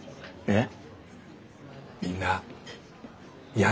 えっ？